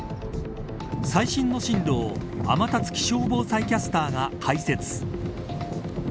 最新の進路を天達気象防災キャスターが解説。